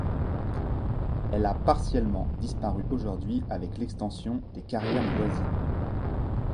Elle a partiellement disparu aujourd’hui avec l’extension des carrières voisines.